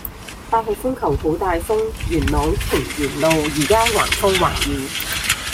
八號風球好大風，元朗瓊園路依家橫風橫雨